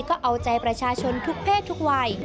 ก็เอาใจประชาชนทุกเพศทุกวัย